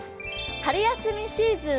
春休みシーズン